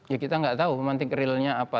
ya kita nggak tahu pemantik realnya apa